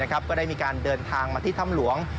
ก็ได้มีการเดินทางมาที่ถ้ำหลวง